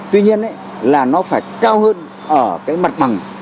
tuy nhiên là nó phải cao hơn ở cái mặt bằng